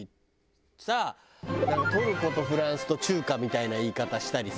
トルコとフランスと中華みたいな言い方したりさ。